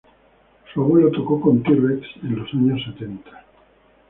Su abuelo toco con T. Rex en los años setenta.